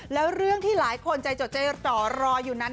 แล้วเรื่องที่หลายคนใจจดใจจ่อรออยู่นั้น